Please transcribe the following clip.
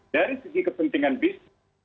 dari segi kepentingan bisnis